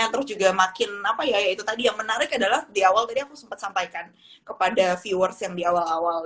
terus juga makin apa ya itu tadi yang menarik adalah di awal tadi aku sempat sampaikan kepada viewers yang di awal awal